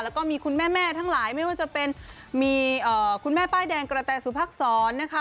แล้วก็มีคุณแม่ทั้งหลายไม่ว่าจะเป็นมีคุณแม่ป้ายแดงกระแตสุพักษรนะคะ